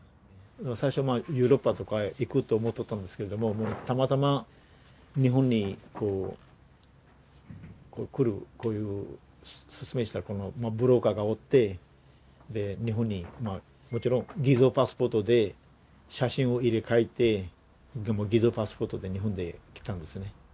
最初ヨーロッパとか行くと思っとったんですけれどもたまたま日本にこう来るこういう説明したブローカーがおって日本にもちろん偽造パスポートで写真を入れ替えて偽造パスポートで日本で来たんですね。